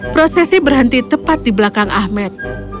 prosesi berhenti tepat di belakang ahmed